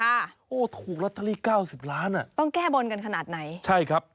ค่ะโอ้โหถูกละตะลี๙๐ล้านอ่ะต้องแก้บนกันขนาดไหนใช่ครับ